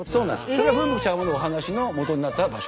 それが「ぶんぶく茶釜」のお話のもとになった場所。